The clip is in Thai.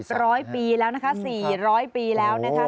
นับร้อยปีแล้วนะคะ๔๐๐ปีแล้วนะคะ